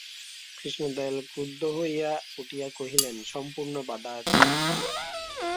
কৃষ্ণদয়াল ক্রুদ্ধ হইয়া উঠিয়া কহিলেন, সম্পূর্ণ বাধা আছে।